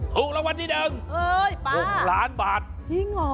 ถูกรางวัลที่๑๖ล้านบาท